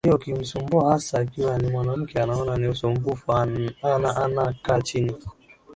kwa hiyo ukimsumbua hasa akiwa ni mwanamke anaona ni usumbufu ana ana kaa chini